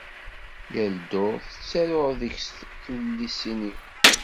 Yal ddurt, ttaruɣ deg-s tullisin-iw.